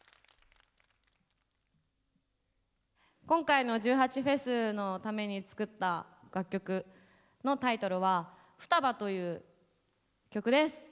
今回の１８祭のために作った楽曲のタイトルは「双葉」という曲です。